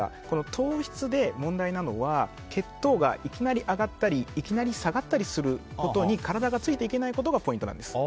糖質で問題なのは血糖がいきなり上がったりいきなり下がったりすることに体がついていけないことがポイントなんです。